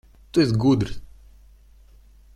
Tu esi gudrs.